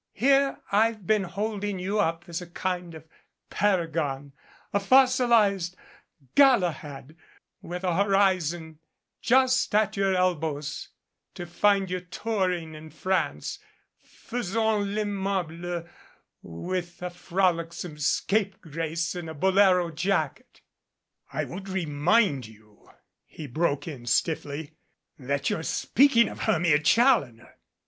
Here I've been holding you up as a kind of paragon, a fossilized Galahad, with a horizon just at your elbows, to find you touring France, faisant I'aimable with a frolicsome scapegrace in a bolero jacket." "I would remind you," he broke in stiffly, "that you're speaking of Hermia Challoner."